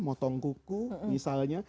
motong kuku misalnya